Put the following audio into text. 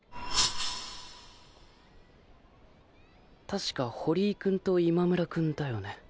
確か堀井君と今村君だよね。